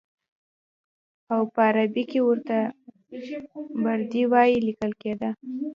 او په عربي کې ورته بردي وایي لیکل کېده.